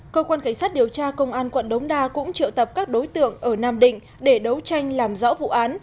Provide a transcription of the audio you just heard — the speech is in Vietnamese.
cơ quan cảnh sát điều tra công an quận đống đa cũng triệu tập các đối tượng ở nam định để đấu tranh làm rõ vụ án